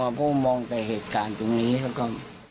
ผมมองแต่เหตุการณ์ตรงนี้แล้วก็